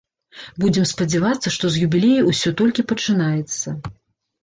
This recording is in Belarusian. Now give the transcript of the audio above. Будзем спадзявацца, што з юбілею ўсё толькі пачынаецца.